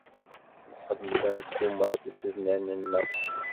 Nḥemmel ad nessumar tisednan-nneɣ.